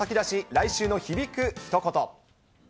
来週の響く一言。